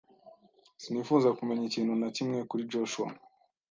sinifuza kumenya ikintu na kimwe kuri Joshua.